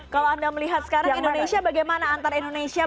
kalau anda melihat sekarang indonesia bagaimana antar indonesia